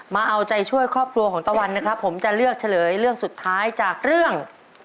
มาเอาใจช่วยครอบครัวของตะวันนะครับผมจะเลือกเฉลยเรื่องสุดท้ายจากเรื่อง